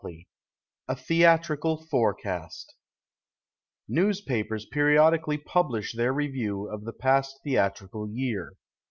1.'37 A THEATRICAL FORECAST Newspapers periodically publish their review of the past theatrieal year.